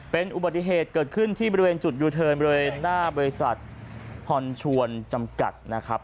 เป็นอุบัติเหตุเกิดขึ้นที่บริเวณจุดยูเทิร์นบริเวณหน้าบริษัทฮอนชวนจำกัดนะครับ